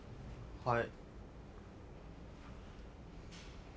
はい。